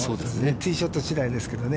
ティーショット次第ですけれどもね。